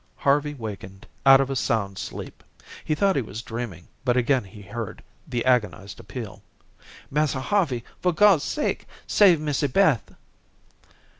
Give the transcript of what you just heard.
Harvey wakened out of a sound sleep. He thought he was dreaming, but again he heard the agonized appeal: "Massa Harvey, for God's sake, save Missy Beth."